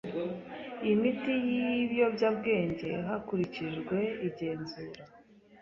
Imiti y ibiyobyabwenge hakurikijwe igenzura